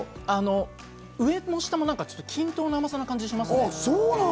上も下もなんか均等な甘さな感じがしますよね。